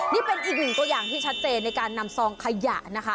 นี่เป็นอีกหนึ่งตัวอย่างที่ชัดเจนในการนำซองขยะนะคะ